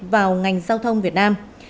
vào ngành giao thông việt nam